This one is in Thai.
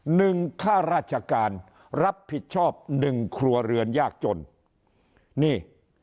ข้าราชการรับผิดชอบหนึ่งครัวเรือนยากจนนี่